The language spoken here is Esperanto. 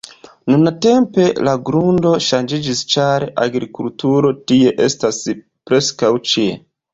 Nuntempe, la grundo ŝanĝiĝis ĉar agrikulturo tie estas preskaŭ ĉie.